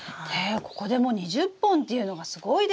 ここで２０本っていうのがすごいですよね！